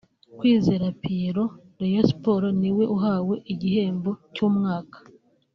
Kwizera Pierrot (Rayon Sports) ni we uhawe igihembo cy’umwaka